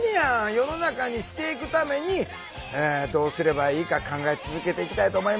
世の中にしていくためにどうすればいいか考え続けていきたいと思います。